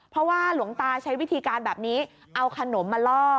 เพราะว่าหลวงตาใช้วิธีการแบบนี้เอาขนมมาล่อ